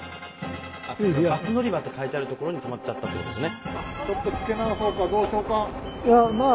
「バスのりば」って書いてあるところに止まっちゃったってことですね。